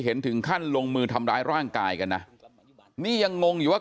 ถึงขั้นลงมือทำร้ายร่างกายกันนะนี่ยังงงอยู่ว่า